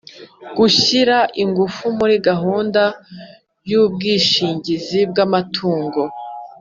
Gushyira ingufu muri gahunda y ubwishingizi bw amatungo